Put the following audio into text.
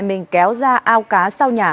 nắm đầu mẹ mình kéo ra ao cá sau nhà